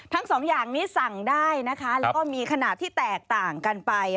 ทั้งสองอย่างนี้สั่งได้นะคะแล้วก็มีขนาดที่แตกต่างกันไป